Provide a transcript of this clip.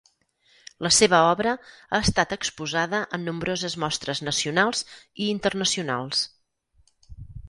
La seva obra ha estat exposada en nombroses mostres nacionals i internacionals.